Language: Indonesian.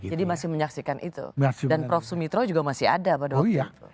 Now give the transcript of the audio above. jadi masih menyaksikan itu dan prof sumitro juga masih ada pada waktu itu